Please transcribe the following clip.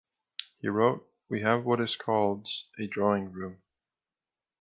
He wrote, We have what is called a 'drawing room'.